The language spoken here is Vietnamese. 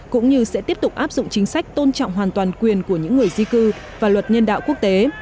cũng như sẽ tiếp tục áp dụng chính sách tôn trọng hoàn toàn quyền của những người di cư và luật nhân đạo quốc tế